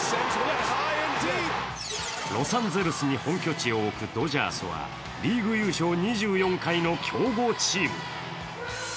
ロサンゼルスに本拠地を置くドジャースはリーグ優勝２４回の強豪チーム。